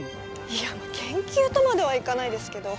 いや研究とまではいかないですけど。